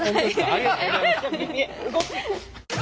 ありがとうございます。